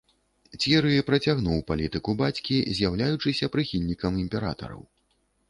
Цьеры працягнуў палітыку бацькі, з'яўляючыся прыхільнікам імператараў.